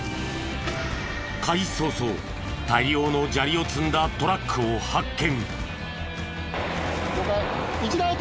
開始早々大量の砂利を積んだトラックを発見。